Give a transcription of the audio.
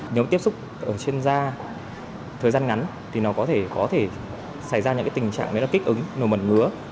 nếu tiếp xúc trên da thời gian ngắn thì nó có thể xảy ra những tình trạng kích ứng nồi mật ngứa